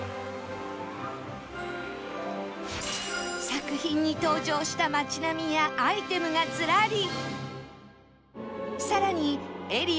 作品に登場した街並みやアイテムがずらり！